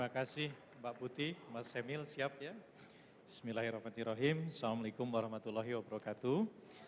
assalamu'alaikum warahmatullahi wabarakatuh